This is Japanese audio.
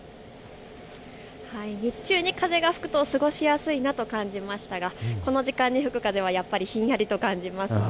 日中に風が吹くと過ごしやすいなと感じましたがこの時間に吹く風はやっぱりひんやりと感じますよね。